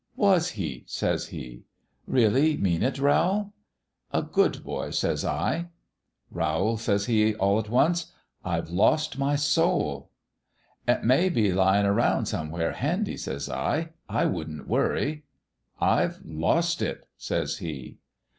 "' Was he ?' says he. ' Really mean it, Rowl ?'" 'A good boy,' says I. "* Rowl,' says he, all at once, ' I've lost my soul !'"* It may be lyin' around somewhere handy/ says I. * I wouldn't worry/ "* I've lost it !' says he.